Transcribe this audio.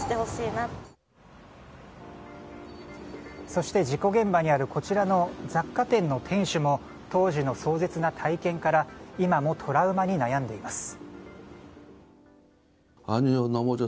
そして、事故現場にあるこちらの雑貨店の店主も当時の壮絶な体験から今もトラウマに悩んでいます。